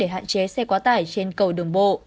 hạn chế xe quá tải trên cầu đường bộ